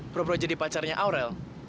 pro pro jadi pacarnya aurel